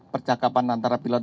percakapan antara pilot